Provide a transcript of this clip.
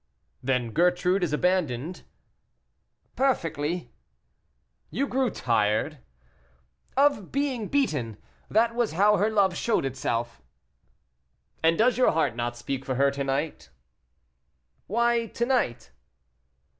"Then Gertrude is abandoned?" "Perfectly." "You grew tired?" "Of being beaten. That was how her love showed itself." "And does your heart not speak for her to night?" "Why to night?"